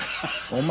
お前